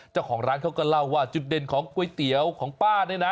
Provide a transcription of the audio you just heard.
เจ้าของร้านเขาก็เล่าว่าจุดเด่นของก๋วยเตี๋ยวของป้าเนี่ยนะ